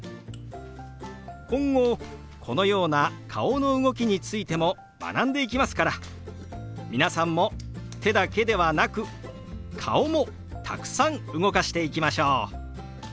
今後このような顔の動きについても学んでいきますから皆さんも手だけではなく顔もたくさん動かしていきましょう。